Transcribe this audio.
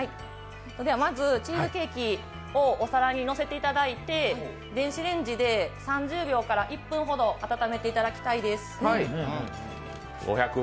まず、チーズケーキをお皿にのせていただいて電子レンジで３０秒から１分ほど温めていただきたいです。